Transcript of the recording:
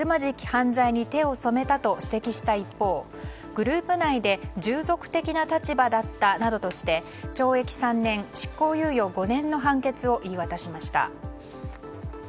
犯罪に手を染めたと指摘した一方、グループ内で従属的な立場だったなどとして懲役３年、執行猶予５年の判決を言い渡しました。